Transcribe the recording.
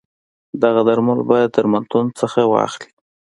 دغه درمل باید درملتون څخه واخلی.